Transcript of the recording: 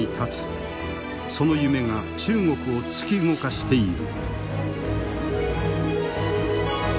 その夢が中国を突き動かしている。